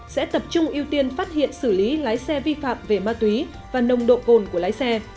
sẽ tập trung ưu tiên phát hiện xử lý lái xe vi phạm về ma túy và nồng độ cồn của lái xe